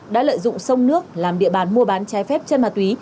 đã lợi dụng sông nước làm địa bàn mua bán trái phép chân ma túy